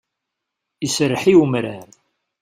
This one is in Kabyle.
Iserreḥ i umrar.